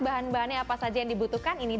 bahan bahannya apa saja yang dibutuhkan ini